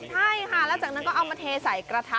ใช่ค่ะแล้วจากนั้นก็เอามาเทใส่กระทะ